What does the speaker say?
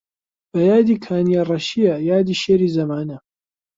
بە یادی کانیەڕەشیە یادی شێری زەمانە